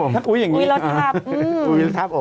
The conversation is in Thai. ทัดอุ๊ยอย่างนี้อุ๊ยแล้วทับ